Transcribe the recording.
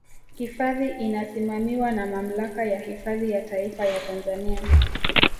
Hifadhi inasimamiwa na Mamlaka ya Hifadhi ya Taifa ya Tanzania